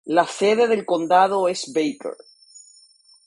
La sede del condado es Baker.